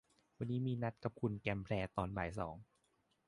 วันนี้มีนัดกับคุณแกมแพรตอนบ่ายสอง